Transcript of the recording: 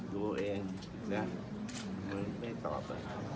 ดูเอาเองไม่ตอบ